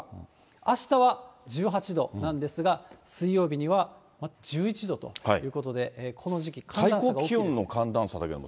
あしたは１８度なんですが、水曜日には１１度ということで、この時期寒暖差が大きいです。